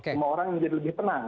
semua orang menjadi lebih tenang